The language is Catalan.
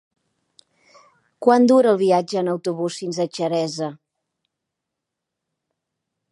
Quant dura el viatge en autobús fins a Xeresa?